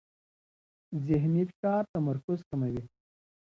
ذهني فشار تمرکز کموي.